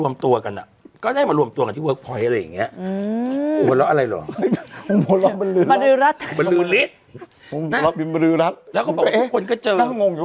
มันจะโง่ขนาดนั่นเลยหรอ